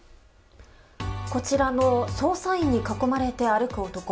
こちらの捜査員に囲まれて歩く男。